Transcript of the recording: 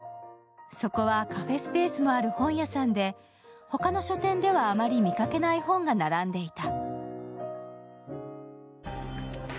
階段を上り、そっと中に入ってみるとそこはカフェスペースもある本屋さんで他の書店ではあまり見掛けない本が並んでいた。